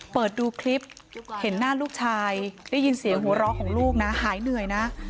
เปิดดูคลิปเห็นหน้าลูกชายได้ยินเสียงหัวเราะของลูกนะหายเหนื่อยนะ